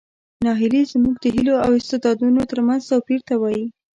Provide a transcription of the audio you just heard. ناهیلي زموږ د هیلو او استعدادونو ترمنځ توپیر ته وایي.